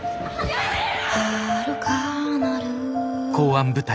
やめろ！